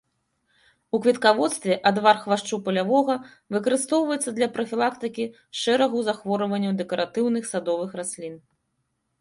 У кветкаводстве адвар хвашчу палявога выкарыстоўваецца для прафілактыкі шэрагу захворванняў дэкаратыўных садовых раслін.